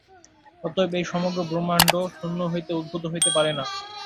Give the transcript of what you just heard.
অতএব এই সমগ্র ব্রহ্মাণ্ড শূন্য হইতে উদ্ভূত হইতে পারে না।